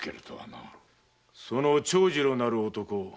その長次郎なる男